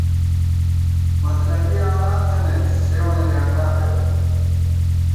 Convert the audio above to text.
مطلَبی یاران تھنَئیت، سېوں وَنہ ڈیانڈا پیدہ